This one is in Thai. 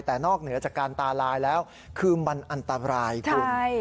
แต่นอกเหนือจากการตาลายแล้วคือมันอันตรายคุณ